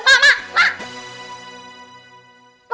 mak mak mak